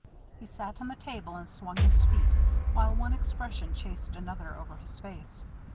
He sat on the table, and swung his feet, while one expression chased another over his face.